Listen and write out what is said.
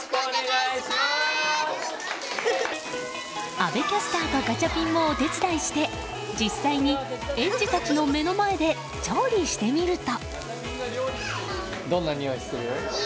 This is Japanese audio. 阿部キャスターとガチャピンもお手伝いして実際に園児たちの目の前で調理してみると。